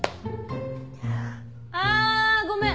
あごめん！